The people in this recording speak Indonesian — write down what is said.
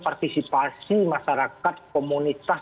partisipasi masyarakat komunitas